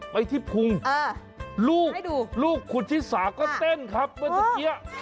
ไปที่ภูมิลูกคุณชิสาก็เต้นครับเหมือนสักเกี๊ย